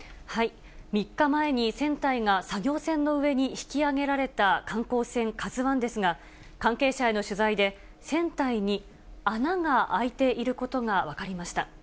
３日前に船体が作業船の上に引き揚げられた観光船ＫＡＺＵＩですが、関係者への取材で、船体に穴が開いていることが分かりました。